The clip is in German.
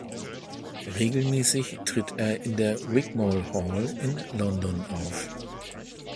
Regelmäßig tritt er in der Wigmore Hall in London auf.